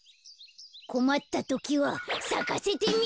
こまったときはさかせてみる。